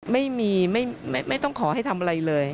ไม่ต้องขอให้ทำอะไรเลย